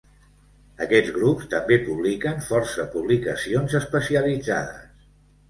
Aquests grups també publiquen força publicacions especialitzades.